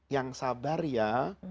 yang sabar ya